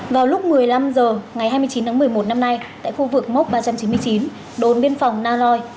vào lúc một mươi năm h ngày hai mươi chín tháng một mươi một năm nay tại khu vực mốc ba trăm chín mươi chín đồn biên phòng na loi